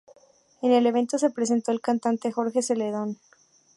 En el evento se presentó el cantante Jorge Celedón.